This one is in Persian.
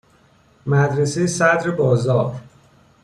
مدرسه صَدر بازار